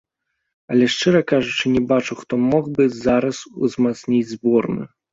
Але, шчыра кажучы, не бачу, хто мог бы зараз узмацніць зборную.